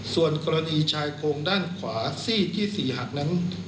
ส่วนกรณีชายโครงด้านขวาซี่ที่๔หักนั้น